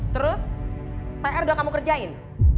terus pr udah kamu kerjain